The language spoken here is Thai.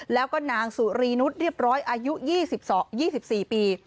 แล้วก็นางสุรีนุษย์เรียบร้อยอายุ๒๔ปี